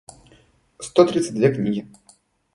сто тридцать две книги